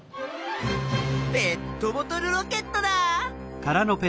ペットボトルロケットだ！